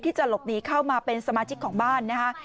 ที่จะหลบหนีเข้ามาเป็นสมาชิกของบ้านนะคะ